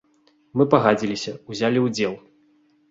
Мы пагадзіліся, узялі ўдзел.